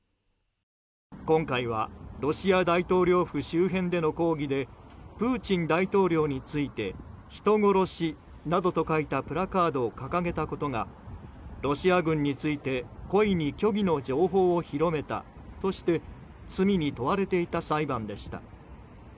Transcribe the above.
今回はロシア大統領府周辺での抗議でプーチン大統領について人殺しなどと書いたプラカードを掲げたことがロシア軍について故意に虚偽の情報を広めたとして罪に問われていた裁判でした。